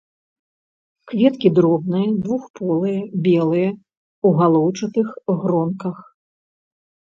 Кветкі дробныя, двухполыя, белыя, у галоўчатых гронках.